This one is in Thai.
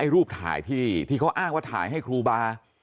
รูปถ่ายที่เขาอ้างว่าถ่ายให้ครูบา